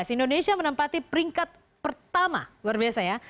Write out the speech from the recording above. indonesia menempati peringkat pertama luar biasa ya